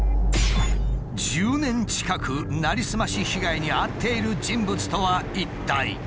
１０年近くなりすまし被害に遭っている人物とは一体？